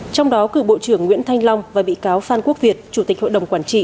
trong đó cựu bộ trưởng nguyễn thanh long và bị cáo phan quốc việt chủ tịch hội đồng quản trị